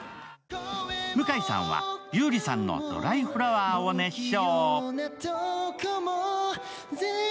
向井さんは優里さんの「ドライフラワー」を熱唱。